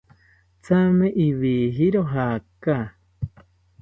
Thame iwijiro jaaka